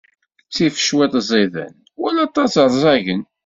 Ttif cwiṭ ẓiden, wala aṭas ṛẓagen.